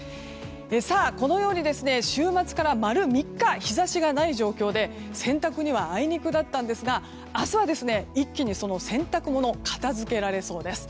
このように週末から丸３日日差しがない状況で洗濯にはあいにくだったんですが明日は一気に、その洗濯物片づけられそうです。